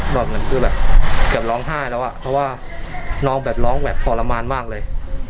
แบบเหมือนคือแบบเกือบร้องไห้แล้วอะเพราะว่าน้องแบบร้องแบบทรมานมากเลย